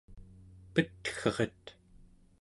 petgeret